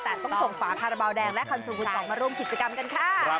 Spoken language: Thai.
แต่ต้องส่งฝาคาราบาลแดงและคันโซคุณสองมาร่วมกิจกรรมกันค่ะ